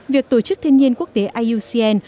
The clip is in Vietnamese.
việc tổ chức thiên nhiên quốc tế iucn